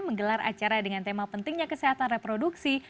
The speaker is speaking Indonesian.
menggelar acara dengan tema pentingnya kesehatan reproduksi